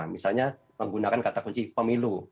misalnya menggunakan kata kunci pemilu